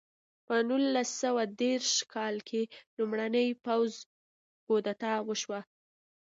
په نولس سوه دېرش کال کې لومړنۍ پوځي کودتا وشوه.